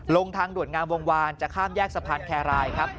ลงทางด่วนงามวงวานจะข้ามแยกสะพานแครรายครับ